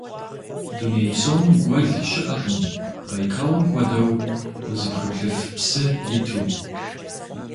Дуней псом гуэл щыӀэкъым Байкалым хуэдэу узыпхыплъыф псы иту.